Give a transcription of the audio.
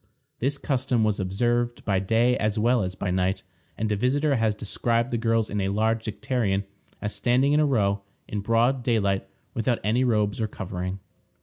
This custom was observed by day as well as by night, and a visitor has described the girls in a large dicterion as standing in a row, in broad daylight, without any robes or covering.